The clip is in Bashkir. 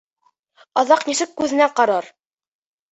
Аҙаҡ нисек күҙенә ҡарар?